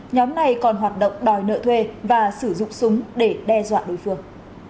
nhóm này còn hoạt động đòi nợ thuê và sử dụng súng để đe dọa đối phương